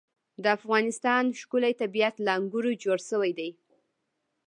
د افغانستان ښکلی طبیعت له انګورو جوړ شوی دی.